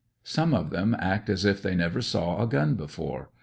Some of them act as if they never saw a t^un before.